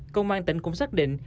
công an tỉnh cũng xác định